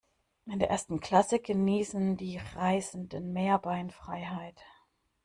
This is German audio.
In der ersten Klasse genießen die Reisenden mehr Beinfreiheit.